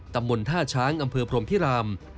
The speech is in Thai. ตำบลท่าช้างอำเภอพรมพิราม